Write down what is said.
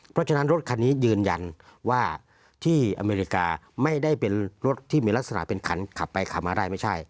เพราะฉะนั้นรถคันนี้ยืนยันว่าที่อเมริกาไม่ได้เป็นรถที่มีลักษณะเป็นขันขับไปขับมาได้ไม่ใช่